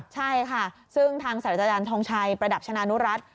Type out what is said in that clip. ใช่ค่ะซึ่งทางศาสตราจารย์ทองชัยประดับชนะนุรัติ